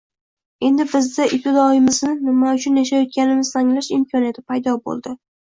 Endi bizda ibtidomizni — nima uchun yashayotganimizni anglash imkoniyati paydo bo‘ldi.